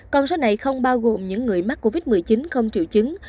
con số này không bao gồm những người mắc covid một mươi chín không triệu chứng